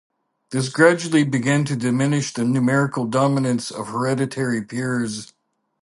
This gradually began to diminish the numerical dominance of hereditary peers.